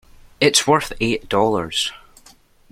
It's worth eight dollars.